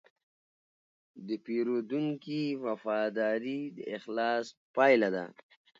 د پیرودونکي وفاداري د اخلاص پایله ده.